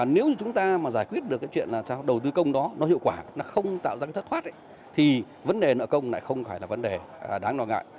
nếu như chúng ta mà giải quyết được cái chuyện là sao đầu tư công đó nó hiệu quả nó không tạo ra cái thất thoát thì vấn đề nợ công lại không phải là vấn đề đáng lo ngại